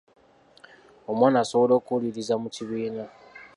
Omwana asobola okuwuliriza mu kibiina.